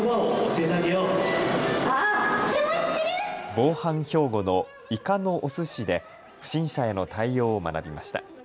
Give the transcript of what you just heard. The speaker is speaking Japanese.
防犯標語のいかのおすしで不審者への対応を学びました。